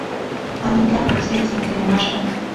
Amitlaj okse, san tlen moaxka.